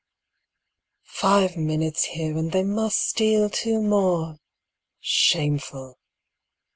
IVE minutes here, and they must steal two more! shameful!